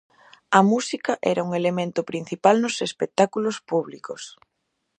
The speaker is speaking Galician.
A música era un elemento principal nos espectáculos públicos.